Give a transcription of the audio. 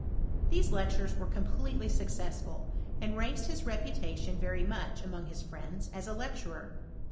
These lectures were completelr successful, and raised his reputation very muck among his friends as a lecturer.